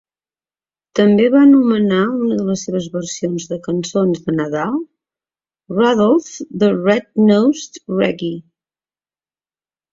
També va nomenar una de les seves versions de cançons de Nadal "Rudolph The Red-Nosed Reggae".